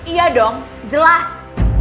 iya dong jelas